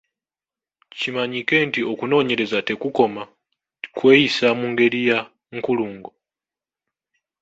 Kimanyike nti okunoonyereza tekukoma, kweyisa mu ngeri ya nkulungo.